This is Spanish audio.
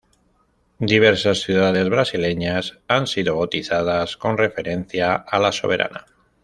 Diversas ciudades brasileñas han sido bautizadas con referencia a la soberana.